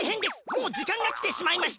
もうじかんがきてしまいました！